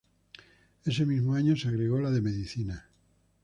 Ese mismo año se agregó la de Medicina.